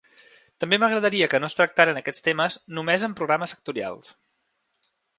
També m’agradaria que no es tractaren aquests temes només en programes sectorials.